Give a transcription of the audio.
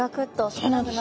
そうなんです。